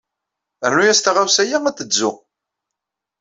Rnu-as taɣawsa-ya ad d-tedzu